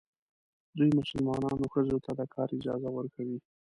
دوی مسلمانان ښځو ته د کار اجازه ورکوي.